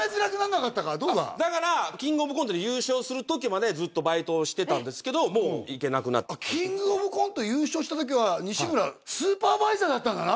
だからキングオブコントで優勝する時までずっとバイトをしてたんですけどもう行けなくあっキングオブコント優勝した時は西村スーパーバイザーだったんだな？